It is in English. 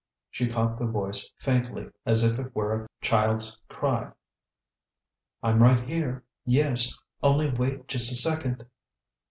She caught the voice faintly, as if it were a child's cry. "I'm right here, yes; only wait just a second."